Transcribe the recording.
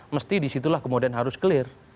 mesti disitulah kemudian harus clear